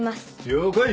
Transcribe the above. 了解！